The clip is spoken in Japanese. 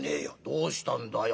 「どうしたんだよ？」。